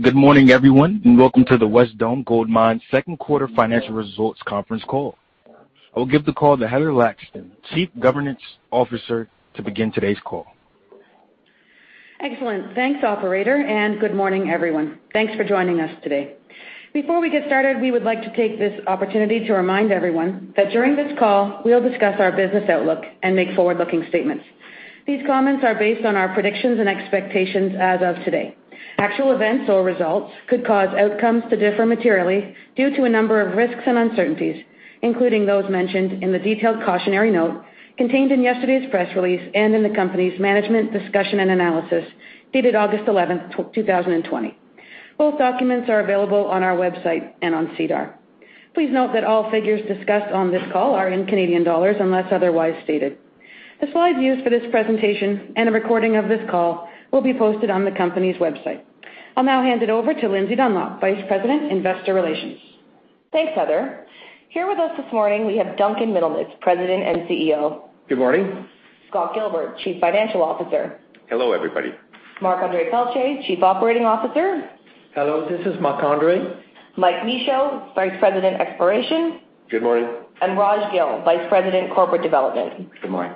Good morning, everyone, and welcome to the Wesdome Gold Mines second quarter financial results conference call. I will give the call to Heather Laxton, Chief Governance Officer, to begin today's call. Excellent. Thanks, operator, and good morning, everyone. Thanks for joining us today. Before we get started, we will discuss our business outlook and make forward-looking statements. These comments are based on our predictions and expectations as of today. Actual events or results could cause outcomes to differ materially due to a number of risks and uncertainties, including those mentioned in the detailed cautionary note contained in yesterday's press release and in the company's Management Discussion and Analysis dated August 11th, 2020. Both documents are available on our website and on SEDAR. Please note that all figures discussed on this call are in Canadian dollars unless otherwise stated. The slides used for this presentation and a recording of this call will be posted on the company's website. I'll now hand it over to Lindsay Dunlop, Vice President, Investor Relations. Thanks, Heather. Here with us this morning, we have Duncan Middlemiss, President and CEO. Good morning. Scott Gilbert, Chief Financial Officer. Hello, everybody. Marc-Andre Pelletier, Chief Operating Officer. Hello, this is Marc-Andre. Michael Michaud, Vice President, Exploration. Good morning. Raj Gill, Vice President, Corporate Development. Good morning.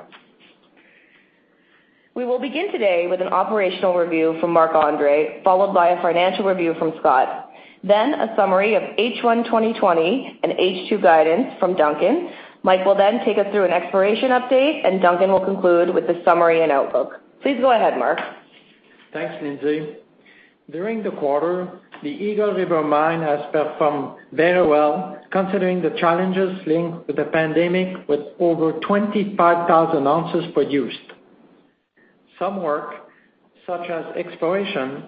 We will begin today with an operational review from Marc-Andre, followed by a financial review from Scott, then a summary of H1 2020 and H2 guidance from Duncan. Mike will take us through an exploration update, and Duncan will conclude with a summary and outlook. Please go ahead, Marc. Thanks, Lindsay. During the quarter, the Eagle River Mine has performed very well, considering the challenges linked with the pandemic, with over 25,000 ounces produced. Some work, such as exploration,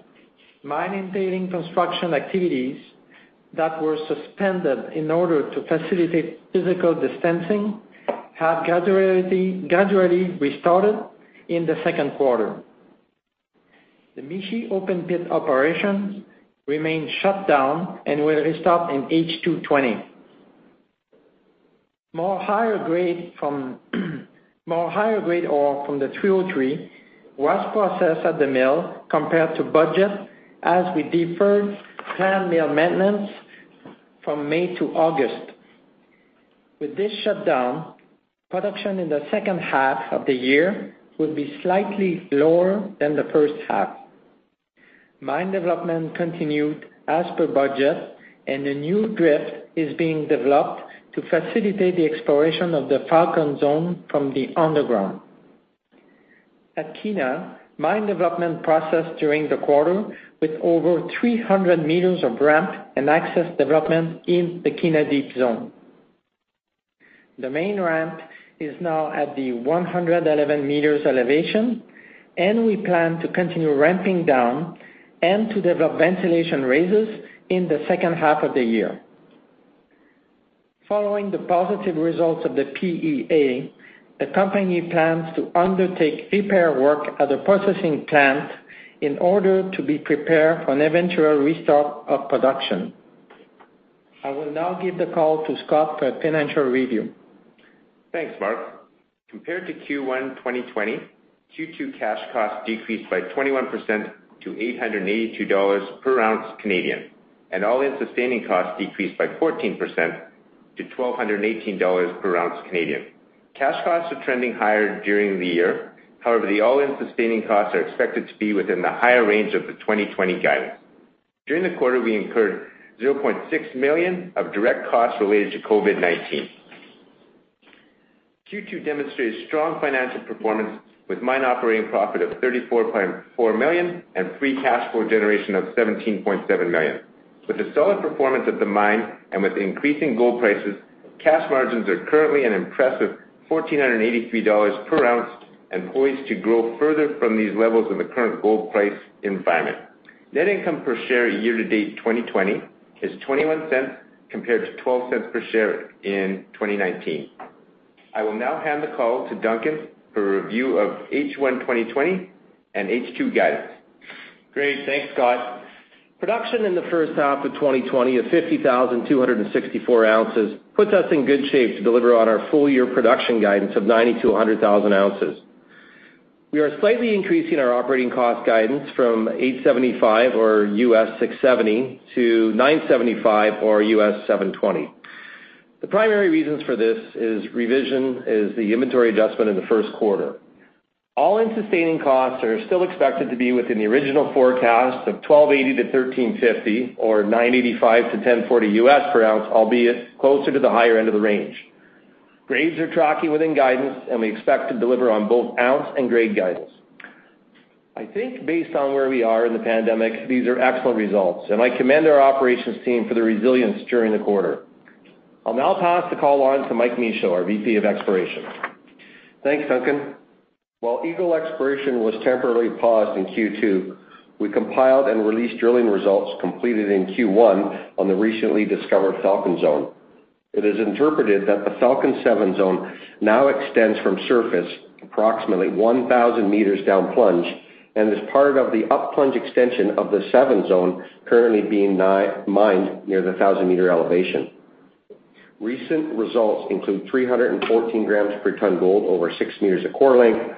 mine and tailings construction activities that were suspended in order to facilitate physical distancing, have gradually restarted in the second quarter. The Mishi Open Pit operations remain shut down and will restart in H2 2020. More higher grade ore from the 303 was processed at the mill compared to budget as we deferred planned mill maintenance from May to August. With this shutdown, production in the second half of the year will be slightly lower than the first half. Mine development continued as per budget, and a new drift is being developed to facilitate the exploration of the Falcon Zone from the underground. At Kiena, mine development progressed during the quarter, with over 300 meters of ramp and access development in the Kiena Deep Zone. The main ramp is now at the 111 meters elevation, and we plan to continue ramping down and to develop ventilation raises in the second half of the year. Following the positive results of the PEA, the company plans to undertake repair work at the processing plant in order to be prepared for an eventual restart of production. I will now give the call to Scott for a financial review. Thanks, Marc. Compared to Q1 2020, Q2 cash costs decreased by 21% to 882 dollars per ounce, and all-in sustaining costs decreased by 14% to 1,218 dollars per ounce. Cash costs are trending higher during the year. However, the all-in sustaining costs are expected to be within the higher range of the 2020 guidance. During the quarter, we incurred 0.6 million of direct costs related to COVID-19. Q2 demonstrated strong financial performance with mine operating profit of 34.4 million and free cash flow generation of 17.7 million. With the solid performance at the mine and with increasing gold prices, cash margins are currently an impressive 1,483 dollars per ounce and poised to grow further from these levels in the current gold price environment. Net income per share year to date 2020 is 0.21 compared to 0.12 per share in 2019. I will now hand the call to Duncan for a review of H1 2020 and H2 guidance. Great. Thanks, Scott. Production in the first half of 2020 of 50,264 ounces puts us in good shape to deliver on our full-year production guidance of 90,000 ounces-100,000 ounces. We are slightly increasing our operating cost guidance from 875 or $670 to 975 or $720. The primary reasons for this revision is the inventory adjustment in the first quarter. all-in sustaining costs are still expected to be within the original forecast of 1,280-1,350, or 985-1,040 per ounce, albeit closer to the higher end of the range. Grades are tracking within guidance. We expect to deliver on both ounce and grade guidance. I think based on where we are in the pandemic, these are excellent results. I commend our operations team for their resilience during the quarter. I'll now pass the call on to Michael Michaud, our VP of Exploration. Thanks, Duncan. While Eagle Exploration was temporarily paused in Q2, we compiled and released drilling results completed in Q1 on the recently discovered Falcon Zone. It is interpreted that the Falcon 7 Zone now extends from surface approximately 1,000 meters down plunge and is part of the up-plunge extension of the 7 Zone currently being mined near the 1,000-meter elevation. Recent results include 314 grams per ton gold over six meters of core length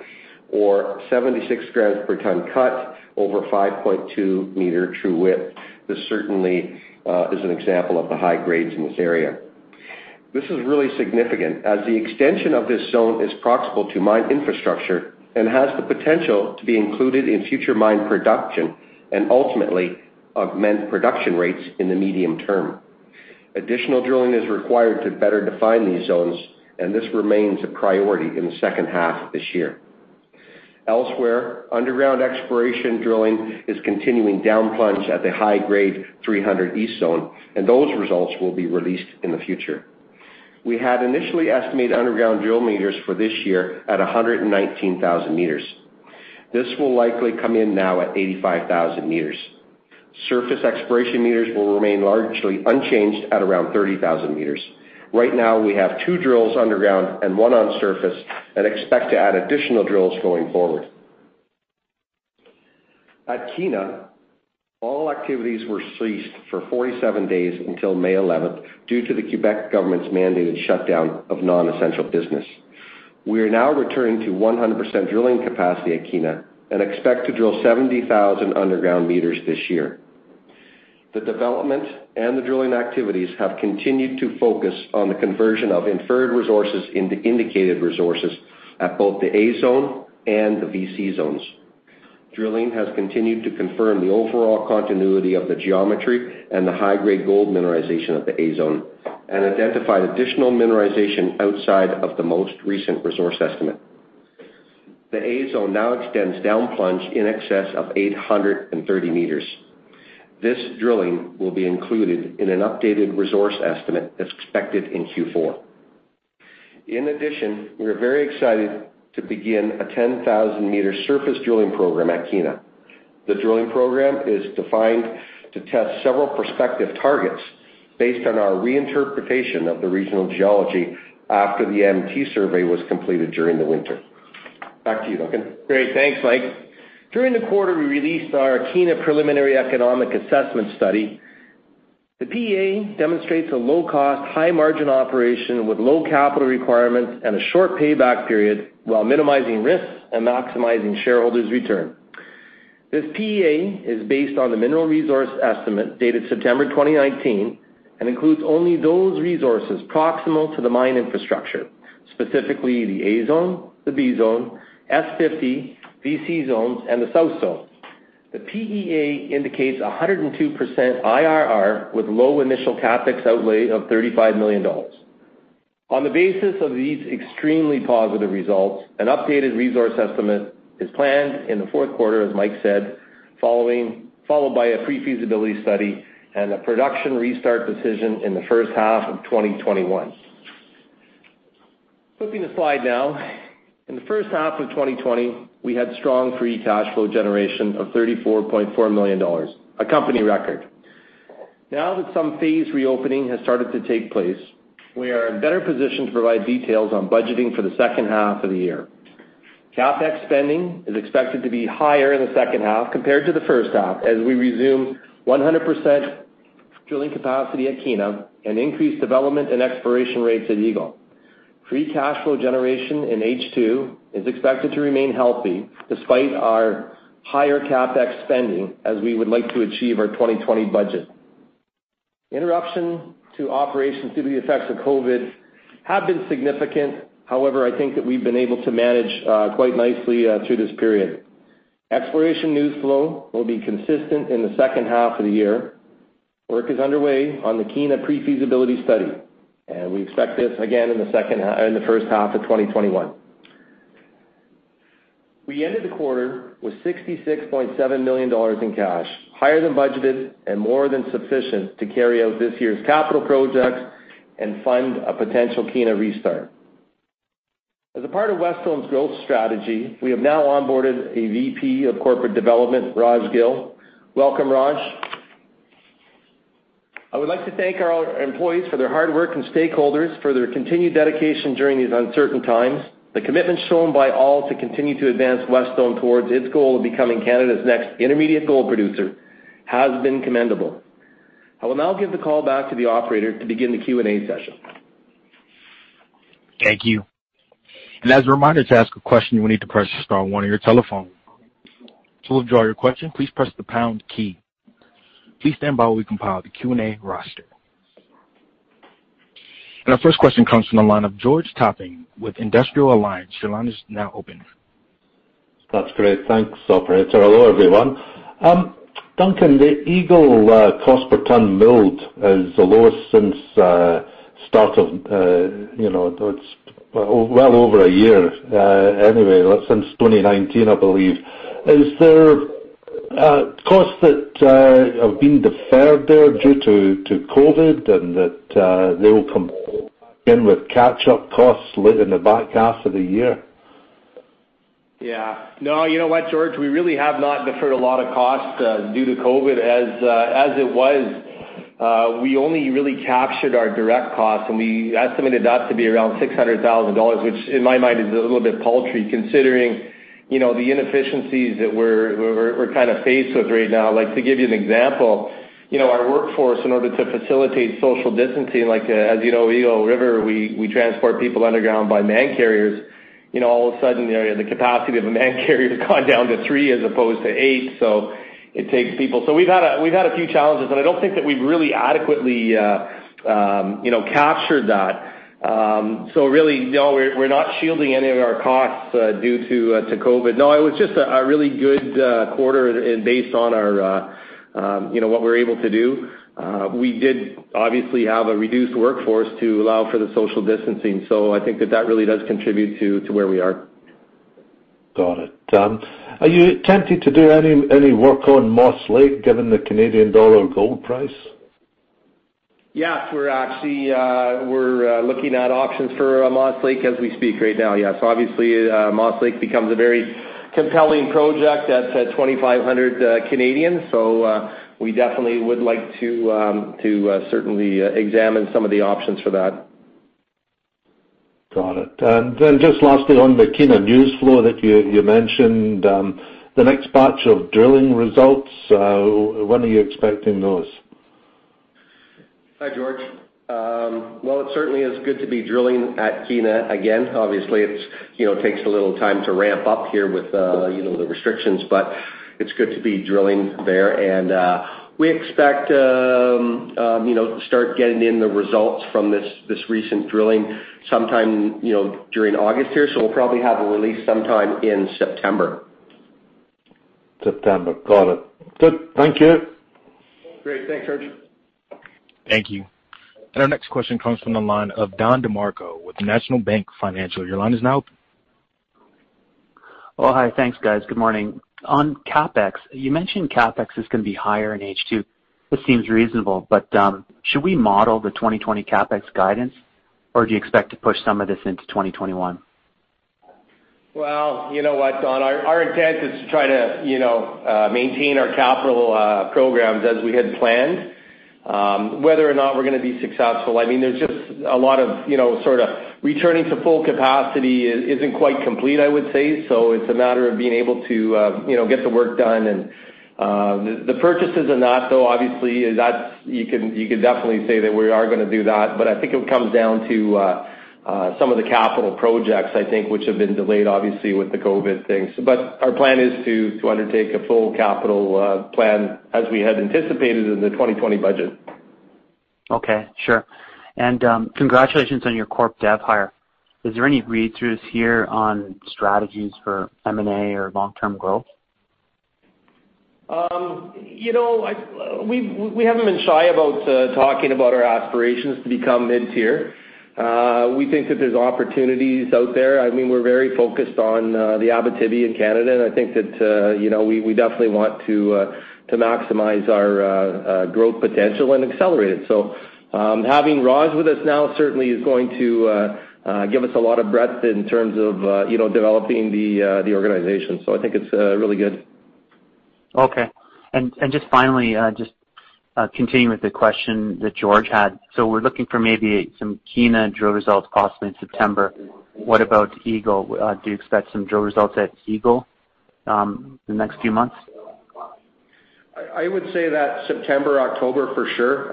or 76 grams per ton cut over 5.2 meter true width. This certainly is an example of the high grades in this area. This is really significant as the extension of this zone is proximal to mine infrastructure and has the potential to be included in future mine production and ultimately augment production rates in the medium term. Additional drilling is required to better define these zones. This remains a priority in the second half of this year. Elsewhere, underground exploration drilling is continuing down plunge at the high-grade 300 East Zone. Those results will be released in the future. We had initially estimated underground drill meters for this year at 119,000 meters. This will likely come in now at 85,000 meters. Surface exploration meters will remain largely unchanged at around 30,000 meters. Right now, we have two drills underground and one on surface and expect to add additional drills going forward. At Kiena, all activities were ceased for 47 days until May 11th due to the Quebec government's mandated shutdown of non-essential business. We are now returning to 100% drilling capacity at Kiena and expect to drill 70,000 underground meters this year. The development and the drilling activities have continued to focus on the conversion of inferred resources into indicated resources at both the A Zone and the VC Zones. Drilling has continued to confirm the overall continuity of the geometry and the high-grade gold mineralization of the A Zone and identified additional mineralization outside of the most recent resource estimate. The A Zone now extends down plunge in excess of 830 meters. This drilling will be included in an updated resource estimate that's expected in Q4. In addition, we are very excited to begin a 10,000-meter surface drilling program at Kiena. The drilling program is defined to test several prospective targets based on our reinterpretation of the regional geology after the MT survey was completed during the winter. Back to you, Duncan. Great. Thanks, Mike. During the quarter, we released our Kiena Preliminary Economic Assessment study. The PEA demonstrates a low-cost, high-margin operation with low capital requirements and a short payback period while minimizing risks and maximizing shareholders' return. This PEA is based on the mineral resource estimate dated September 2019 and includes only those resources proximal to the mine infrastructure, specifically the A Zone, the B Zone, S50, VC Zones, and the South Zone. The PEA indicates 102% IRR with low initial CapEx outlay of 35 million dollars. On the basis of these extremely positive results, an updated resource estimate is planned in the fourth quarter, as Mike said, followed by a pre-feasibility study and a production restart decision in the first half of 2021. Flipping the slide now. In the first half of 2020, we had strong free cash flow generation of 34.4 million dollars, a company record. Now that some phased reopening has started to take place, we are in better position to provide details on budgeting for the second half of the year. CapEx spending is expected to be higher in the second half compared to the first half, as we resume 100% drilling capacity at Kiena and increase development and exploration rates at Eagle. Free cash flow generation in H2 is expected to remain healthy despite our higher CapEx spending, as we would like to achieve our 2020 budget. Interruption to operations due to the effects of COVID have been significant. I think that we've been able to manage quite nicely through this period. Exploration news flow will be consistent in the second half of the year. Work is underway on the Kiena pre-feasibility study, and we expect this again in the first half of 2021. We ended the quarter with 66.7 million dollars in cash, higher than budgeted and more than sufficient to carry out this year's capital projects and fund a potential Kiena restart. As a part of Wesdome's growth strategy, we have now onboarded a VP of Corporate Development, Raj Gill. Welcome, Raj. I would like to thank our employees for their hard work and stakeholders for their continued dedication during these uncertain times. The commitment shown by all to continue to advance Wesdome towards its goal of becoming Canada's next intermediate gold producer has been commendable. I will now give the call back to the operator to begin the Q&A session. Thank you. As a reminder, to ask a question, you will need to press star one on your telephone. To withdraw your question, please press the pound key. Please stand by while we compile the Q&A roster. Our first question comes from the line of George Topping with Industrial Alliance. Your line is now open. That's great. Thanks, operator. Hello, everyone. Duncan, the Eagle cost per ton milled is the lowest since 2019, I believe. Is there costs that have been deferred there due to COVID-19 and that they will come in with catch-up costs late in the back half of the year? Yeah. No. You know what, George? We really have not deferred a lot of costs due to COVID-19 as it was. We only really captured our direct costs, and we estimated that to be around 600,000 dollars, which in my mind is a little bit paltry considering the inefficiencies that we're kind of faced with right now. To give you an example, our workforce, in order to facilitate social distancing, like, as you know, Eagle River, we transport people underground by man carriers. All of a sudden, the capacity of a man carrier has gone down to three as opposed to eight. We've had a few challenges, and I don't think that we've really adequately captured that. Really, no, we're not shielding any of our costs due to COVID-19. No, it was just a really good quarter based on what we're able to do. We did obviously have a reduced workforce to allow for the social distancing. I think that that really does contribute to where we are. Got it. Are you tempted to do any work on Moss Lake given the Canadian dollar gold price? Yes, we're looking at options for Moss Lake as we speak right now. Yes. Obviously, Moss Lake becomes a very compelling project at 2,500. We definitely would like to certainly examine some of the options for that. Got it. Just lastly on the Kiena news flow that you mentioned, the next batch of drilling results, when are you expecting those? Hi, George. Well, it certainly is good to be drilling at Kiena again. Obviously, it takes a little time to ramp up here with the restrictions, it's good to be drilling there. We expect to start getting in the results from this recent drilling sometime during August here. We'll probably have a release sometime in September. September. Got it. Good. Thank you. Great. Thanks, George. Thank you. Our next question comes from the line of Don DeMarco with National Bank Financial. Your line is now open. Well, hi. Thanks, guys. Good morning. On CapEx, you mentioned CapEx is going to be higher in H2, which seems reasonable, but should we model the 2020 CapEx guidance, or do you expect to push some of this into 2021? Well, you know what, Don? Our intent is to try to maintain our capital programs as we had planned. Whether or not we're going to be successful, there's just a lot of sort of returning to full capacity isn't quite complete, I would say. It's a matter of being able to get the work done. The purchases and that, though, obviously, you could definitely say that we are going to do that. I think it comes down to some of the capital projects, I think, which have been delayed, obviously, with the COVID thing. Our plan is to undertake a full capital plan as we had anticipated in the 2020 budget. Okay, sure. Congratulations on your Corp Dev hire. Is there any read-throughs here on strategies for M&A or long-term growth? We haven't been shy about talking about our aspirations to become mid-tier. We think that there's opportunities out there. We're very focused on the Abitibi in Canada, and I think that we definitely want to maximize our growth potential and accelerate it. Having Raj with us now certainly is going to give us a lot of breadth in terms of developing the organization. I think it's really good. Okay. Just finally, just continuing with the question that George had. We're looking for maybe some Kiena drill results possibly in September. What about Eagle? Do you expect some drill results at Eagle in the next few months? I would say that September, October, for sure.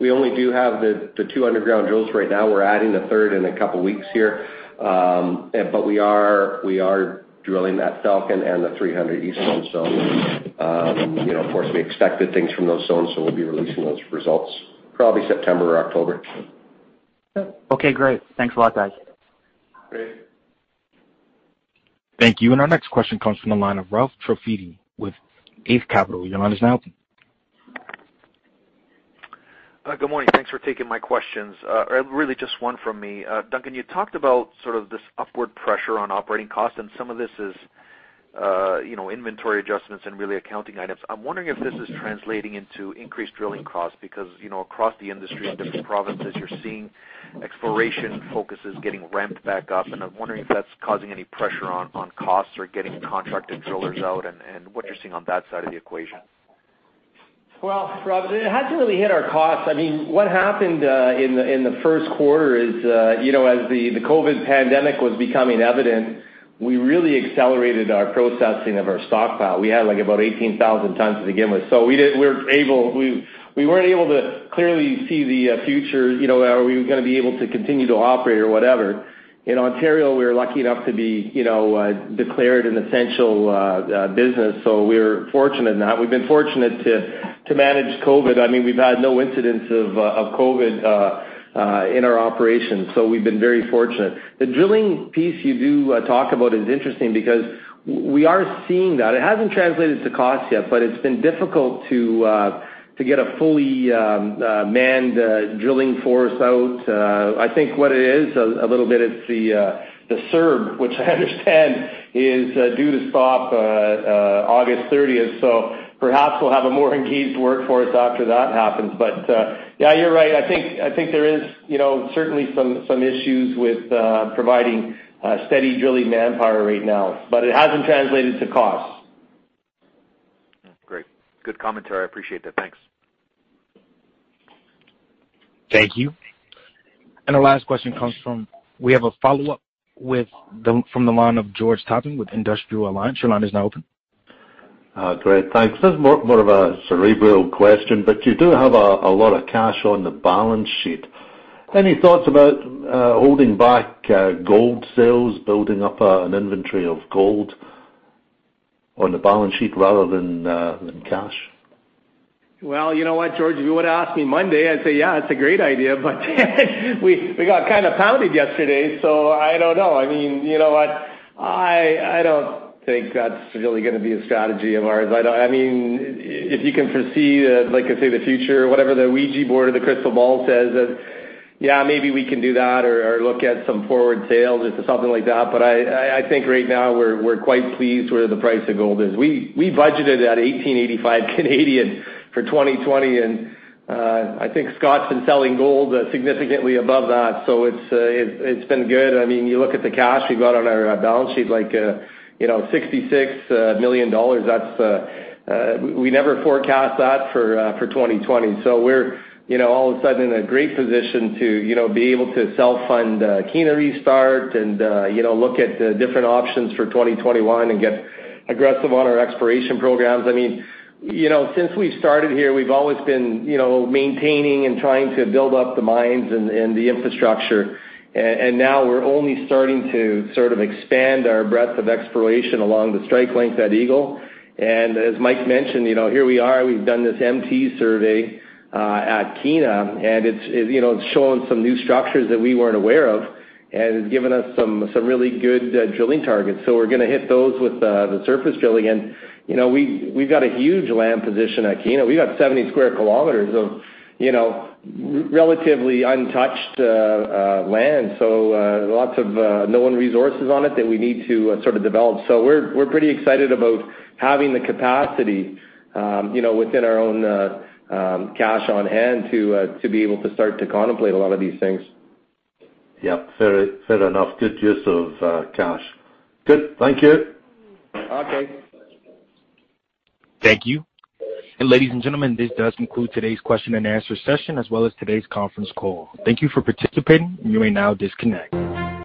We only do have the two underground drills right now. We're adding a third in a couple of weeks here. We are drilling that Falcon and the 300 East Zone. Of course, we expected things from those zones, so we'll be releasing those results probably September or October. Okay, great. Thanks a lot, guys. Great. Thank you. Our next question comes from the line of Ralph Profiti with Eight Capital. Your line is now open. Good morning. Thanks for taking my questions. Really just one from me. Duncan, you talked about sort of this upward pressure on operating costs, and some of this is inventory adjustments and really accounting items. I'm wondering if this is translating into increased drilling costs, because across the industry in different provinces, you're seeing exploration focus is getting ramped back up, and I'm wondering if that's causing any pressure on costs or getting contracted drillers out, and what you're seeing on that side of the equation. Ralph, it hasn't really hit our costs. What happened in the first quarter is, as the COVID pandemic was becoming evident, we really accelerated our processing of our stockpile. We had about 18,000 tons to begin with. We weren't able to clearly see the future, are we going to be able to continue to operate or whatever. In Ontario, we were lucky enough to be declared an essential business, we're fortunate in that. We've been fortunate to manage COVID. We've had no incidents of COVID in our operations, we've been very fortunate. The drilling piece you do talk about is interesting because we are seeing that. It hasn't translated to cost yet, it's been difficult to get a fully manned drilling force out. I think what it is, a little bit, it's the CERB, which I understand is due to stop August 30th. Perhaps we'll have a more engaged workforce after that happens. Yeah, you're right. I think there is certainly some issues with providing steady drilling manpower right now, but it hasn't translated to cost. Great. Good commentary. I appreciate that. Thanks. Thank you. Our last question comes from, we have a follow-up from the line of George Topping with Industrial Alliance. Your line is now open. Great. Thanks. This is more of a cerebral question, but you do have a lot of cash on the balance sheet. Any thoughts about holding back gold sales, building up an inventory of gold on the balance sheet rather than cash? You know what, George, if you would have asked me Monday, I would say, yeah, it is a great idea. We got pounded yesterday, I do not know. I do not think that is really going to be a strategy of ours. If you can foresee the, like I say, the future, whatever the Ouija board or the crystal ball says, yeah, maybe we can do that or look at some forward sales or something like that. I think right now we are quite pleased where the price of gold is. We budgeted at 1,885 for 2020. I think Scott has been selling gold significantly above that. It has been good. You look at the cash we have got on our balance sheet, like 66 million dollars. We never forecast that for 2020. We're all of a sudden in a great position to be able to self-fund Kiena restart and look at different options for 2021 and get aggressive on our exploration programs. Since we started here, we've always been maintaining and trying to build up the mines and the infrastructure. Now we're only starting to expand our breadth of exploration along the strike length at Eagle. As Mike mentioned, here we are, we've done this MT survey at Kiena, and it's showing some new structures that we weren't aware of, and it's given us some really good drilling targets. We're going to hit those with the surface drilling. We've got a huge land position at Kiena. We got 70 sq km of relatively untouched land, so lots of known resources on it that we need to develop. We're pretty excited about having the capacity within our own cash on hand to be able to start to contemplate a lot of these things. Yeah, fair enough. Good use of cash. Good. Thank you. Okay. Thank you. Ladies and gentlemen, this does conclude today's question-and-answer session, as well as today's conference call. Thank you for participating, and you may now disconnect.